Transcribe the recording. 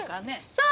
そう！